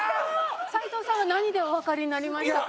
斉藤さんは何でおわかりになりましたか？